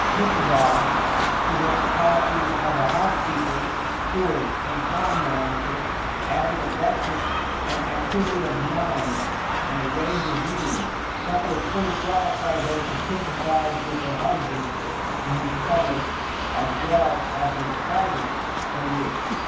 Mrs. Adams, to her capacities as a house keeper, steward and farm manager, added a brightness and activity of mind and a range of reading, such as fully qualified her to sympathize with her husband in his public as well as his private career.